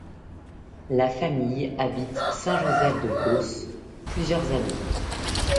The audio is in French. La famille habite Saint-Joseph-de-Beauce plusieurs années.